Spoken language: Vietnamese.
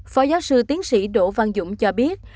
phó giáo sư tiến sĩ đỗ văn dũng cho biết